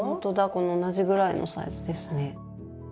この同じぐらいのサイズですね。